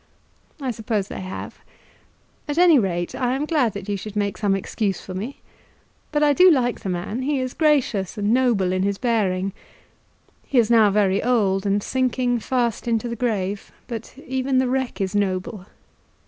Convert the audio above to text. "I suppose they have. At any rate, I am glad that you should make some excuse for me. But I do like the man. He is gracious and noble in his bearing. He is now very old, and sinking fast into the grave; but even the wreck is noble."